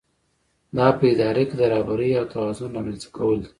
دا په اداره کې د رهبرۍ او توازن رامنځته کول دي.